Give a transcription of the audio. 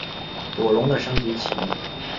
左龙的升级棋。